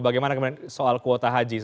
bagaimana kemudian soal kuota haji